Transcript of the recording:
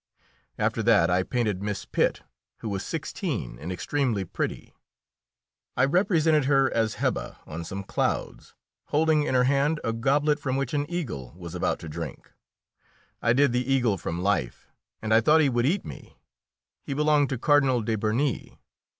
After that I painted Miss Pitt, who was sixteen and extremely pretty. I represented her as Hebe, on some clouds, holding in her hand a goblet from which an eagle was about to drink. I did the eagle from life, and I thought he would eat me. He belonged to Cardinal de Bernis.